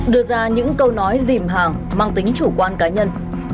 đưa ra những câu nói dìm hàng mang tính chủ quan cá nhân